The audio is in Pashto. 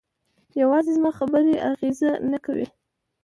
یوازې زما خبرې اغېزه نه کوي.